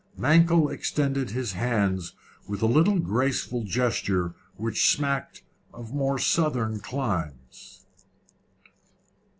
Mankell extended his hands with a little graceful gesture which smacked of more southern climes.